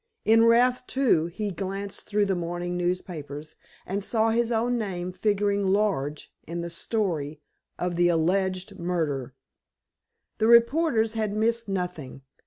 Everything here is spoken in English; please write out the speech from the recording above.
In wrath, too, he glanced through the morning newspapers, and saw his own name figuring large in the "story" of the "alleged" murder. The reporters had missed nothing.